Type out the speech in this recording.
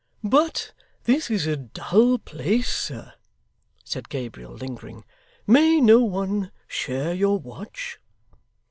'But this is a dull place, sir,' said Gabriel lingering; 'may no one share your watch?